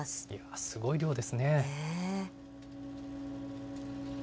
すごい量ですね。